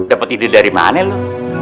dapet ide dari maneh lu